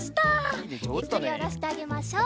ゆっくりおろしてあげましょう。